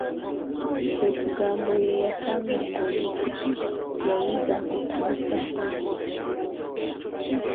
"Kwe kugamba oyo eyasanganga omubbi, yayinzanga okumusaalira."